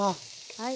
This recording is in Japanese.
はい。